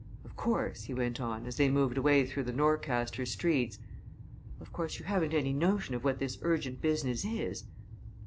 Of course," he went on, as they moved away through the Norcaster streets, "of course, you haven't any notion of what this urgent business is?"